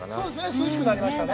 涼しくなりましたよね。